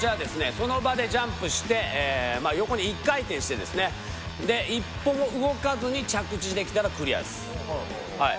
その場でジャンプして横に１回転してですね一歩も動かずに着地できたらクリアですはい。